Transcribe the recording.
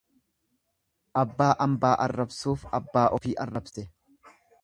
Abbaa ambaa arrabsuuf abbaa ofii arrabse.